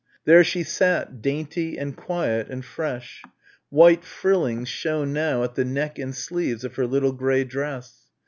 There she sat, dainty and quiet and fresh. White frillings shone now at the neck and sleeves of her little grey dress.